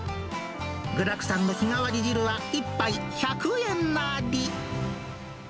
具だくさんの日替わり汁は１杯１００円なり。